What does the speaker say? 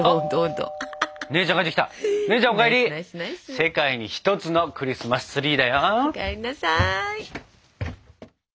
世界に一つのクリスマスツリーだよ。お帰りなさい。